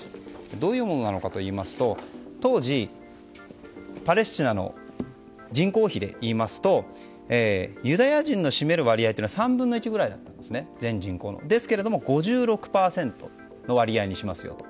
どういうものなのかというと当時パレスチナの人口比でいいますとユダヤ人の占める割合というのが全人口の３分の１ぐらいだったんです。ですが５６％の割合にしますよと。